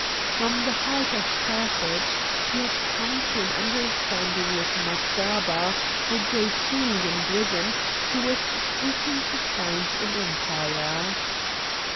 From the heart of Carthage he had come to an understanding with Masgaba, a Gætulian brigand who was seeking to found an empire.